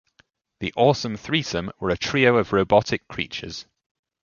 The Awesome Threesome were a trio of robotic creatures.